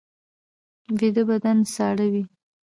ویده بدن ساړه وي